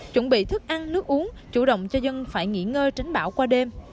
chuẩn bị thức ăn nước uống chủ động cho dân phải nghỉ ngơ tránh bão qua đêm